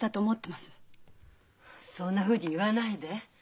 そんなふうに言わないで。